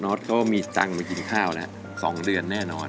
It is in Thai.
น๊อตก็มีจังมากินข้าวนะ๒เดือนแน่นอน